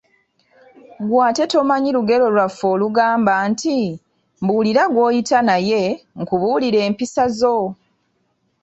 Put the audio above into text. Ggwe ate tomanyi lugero lwaffe olugamba nti , "Mbuulira gwoyita naye nkubuulire empisa zo?